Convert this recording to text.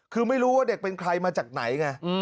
คือไม่รู้ว่าเด็กเป็นใครมาจากไหนไง